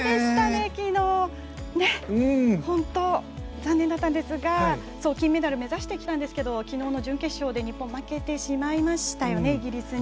きのう、本当に残念だったんですが金メダルを目指してきたんですけどきのうの準決勝で日本、負けてしまいましたイギリスに。